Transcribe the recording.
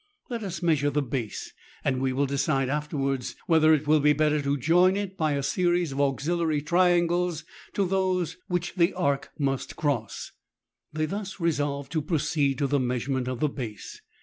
Let us measure the base, and we will decide aftei wards whether it will be better to join it by a series of auxiliary triangles to those which the arc must cross," They thus resolved to proceed to the measurement of the base.